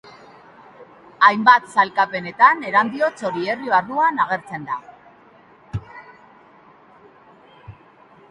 Hainbat sailkapenetan Erandio Txorierri barruan agertzen da.